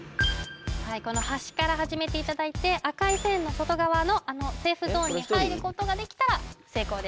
この端から始めていただいて赤い線の外側のセーフゾーンに入ることができたら成功です